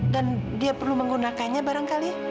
dan dia perlu menggunakannya barangkali